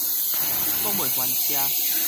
講袂翻捙